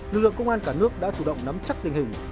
lực lượng công an cả nước đã chủ động nắm chắc tình hình